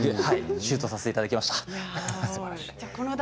シュートさせていただきました。